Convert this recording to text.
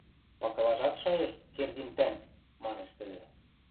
— Пакылажат шайышт, Кердин тӓнг! — манеш тӹдӹ.